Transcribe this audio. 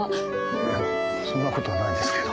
いやそんな事はないんですけど。